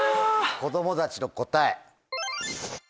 子供たちの答え。